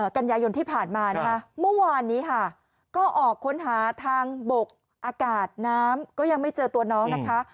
กันยายนที่ผ่านมานะคะเมื่อวานนี้ค่ะก็ออกค้นหาทางบกอากาศน้ำก็ยังไม่เจอตัวน้องนะคะ